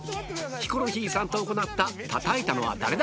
ヒコロヒーさんと行ったたたいたのは誰だ